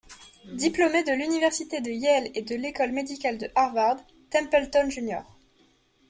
Diplômé de l’université de Yale et de l’École médicale de Harvard, Templeton Jr.